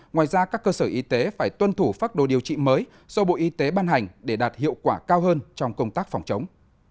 ngoài ra các cơ sở y tế phải tuân thủ phác đồ điều trị mới do bộ y tế ban hành để đạt hiệu quả cao hơn trong công tác phòng chống